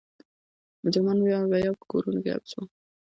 مجرمان به یا په کورونو کې حبس وو.